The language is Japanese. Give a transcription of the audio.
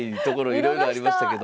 いろいろありましたけども。